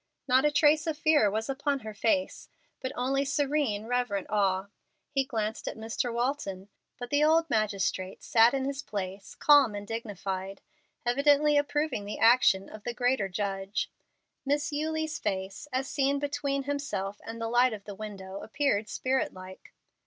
Not a trace of fear was upon her face, but only serene, reverent awe. He glanced at Mr. Walton, but the old magistrate sat in his place, calm and dignified, evidently approving the action of the greater Judge. Miss Eulie's face, as seen between himself and the light of the window, appeared spirit like.